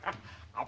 あ？